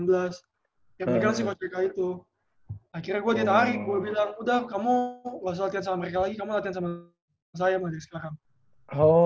gue bilang udah kamu gak usah latihan sama mereka lagi kamu latihan sama saya mulai dari sekarang